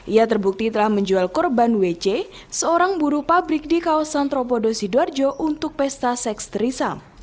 ia terbukti telah menjual korban wc seorang buru pabrik di kawasan tropodo sidoarjo untuk pesta seks trisam